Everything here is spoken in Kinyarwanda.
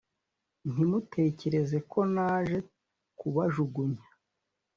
ntimutekereze ko naje kubajugunya